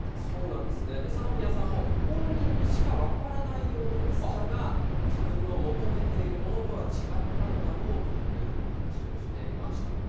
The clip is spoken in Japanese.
そうですね、三宮さんも、本人にしか分からないようなミスだが、自分の求めているものとは違ったのだろうというふうな話をしていました。